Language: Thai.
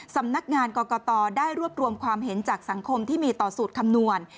สำนักงานกรกตได้รวบรวมความเห็นจากสังคมที่มีต่อสูตรคำนวณ